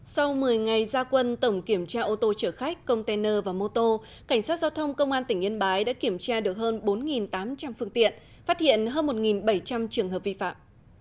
sau một mươi ngày gia quân tổng kiểm tra ô tô chở khách container và mô tô cảnh sát giao thông công an tỉnh yên bái đã kiểm tra được hơn bốn tám trăm linh phương tiện phát hiện hơn một bảy trăm linh trường hợp vi phạm